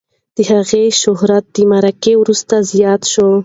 د هغې شهرت د مرګ وروسته زیات شو.